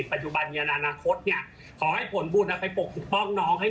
เราพูดแล้วนะคะว่าเราจะต้องให้เขาแล้วคือเราให้